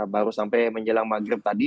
baru sampai menjelang maghrib tadi